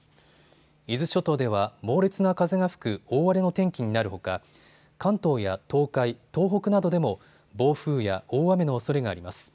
伊豆諸島では猛烈な風が吹く大荒れの天気になるほか関東や東海、東北などでも暴風や大雨のおそれがあります。